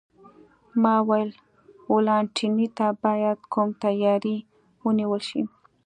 ما وویل: والنتیني ته باید کوم تیاری ونیول شي؟